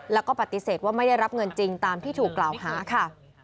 แล้วก็ปฏิเสธว่าไม่ได้รับเงินจริงตามที่ถูกกล่าวหาค่ะ